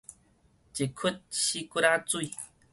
一窟死窟仔水